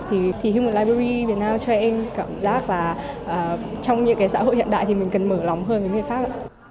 thì human library việt nam cho em cảm giác là trong những cái xã hội hiện đại thì mình cần mở lòng hơn với người khác